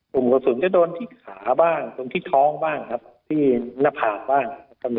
กลุ่มกระสุนจะโดนที่ขาบ้างโดนที่ท้องบ้างครับที่หน้าผากบ้าง